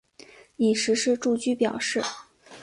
已实施住居表示。